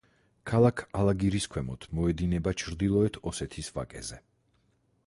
ქალაქ ალაგირის ქვემოთ მოედინება ჩრდილოეთ ოსეთის ვაკეზე.